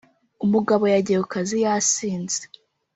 umugabo yagiye ku kazi yasinze,